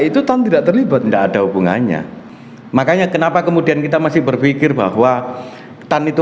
itu tan tidak terlibat tidak ada hubungannya makanya kenapa kemudian kita masih berpikir bahwa tan itu